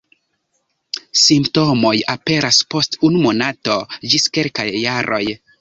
Simptomoj aperas post unu monato ĝis kelkaj jaroj.